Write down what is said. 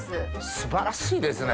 素晴らしいですね。